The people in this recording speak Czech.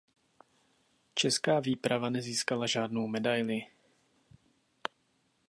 Česká výprava nezískala žádnou medaili.